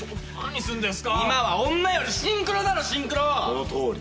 そのとおり。